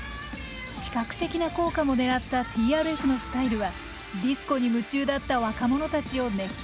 視覚的な効果も狙ったＴＲＦのスタイルはディスコに夢中だった若者たちを熱狂させました。